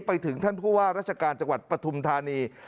ไปถึงท่านผู้ว่าราชการจังหวัดปฐุมธานี